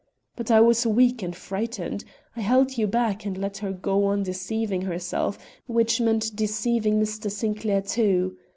But I was weak and frightened. I held you back and let her go on deceiving herself, which meant deceiving Mr. Sinclair, too.